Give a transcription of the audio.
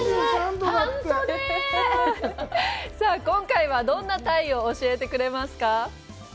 今回はどんなタイを教えてくれますか？